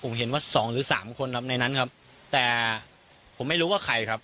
ผมเห็นว่าสองหรือสามคนครับในนั้นครับแต่ผมไม่รู้ว่าใครครับ